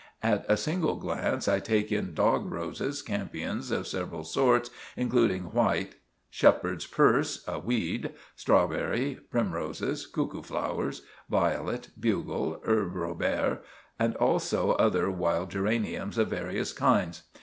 At a single glance I take in dog roses; campions of several sorts, including white; shepherd's purse—a weed; strawberry, primroses, cuckoo flower, violet, bugle, herb robert, and also other wild geraniums of various kinds.